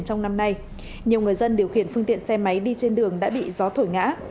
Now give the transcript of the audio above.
trong năm nay nhiều người dân điều khiển phương tiện xe máy đi trên đường đã bị gió thổi ngã